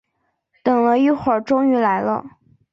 等了一会儿终于来了